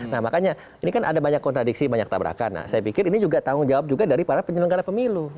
nah makanya ini kan ada banyak kontradiksi banyak tabrakan nah saya pikir ini juga tanggung jawab juga dari para penyelenggara pemilu